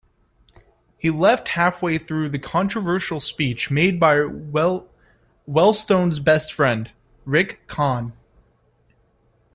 He left halfway through the controversial speech made by Wellstone's best friend, Rick Kahn.